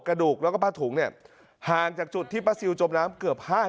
กระดูกแล้วก็ผ้าถุงเนี่ยห่างจากจุดที่ป้าซิลจมน้ำเกือบ๕๐